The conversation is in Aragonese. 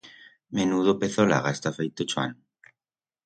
Menudo pezolaga está feito Chuan!